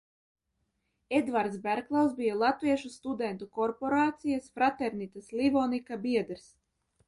"Eduards Berklavs bija latviešu studentu korporācijas "Fraternitas Livonica" biedrs."